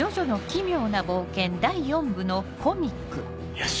よし。